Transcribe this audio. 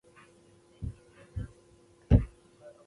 پاچا له اروپا څخه ته راغی.